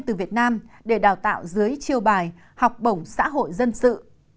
từ việt nam để đào tạo dưới chiêu bài học bổng xã hội dân sự